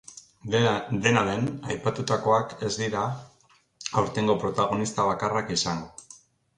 Dena den, aipatutakoak ez dira aurtengo protagonista bakarrak izango.